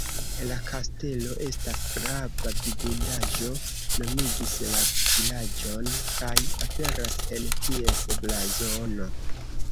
La kastelo estas grava vidindaĵo, nomigis la vilaĝon kaj aperas en ties blazono.